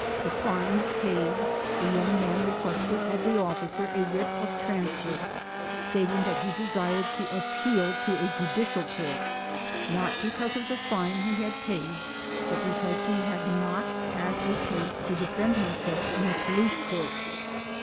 The fine paid, the young man requested of the officer a writ of transfer, stating that he desired to appeal to a Judicial Court, not because of the fine he had paid, but because he had not had a chance to defend himself in the police court.